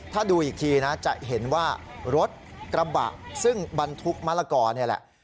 ถ้าดูอีกทีนะจะเห็นว่ารถกระบะซึ่งบรรทุกมะละกอนี่แหละ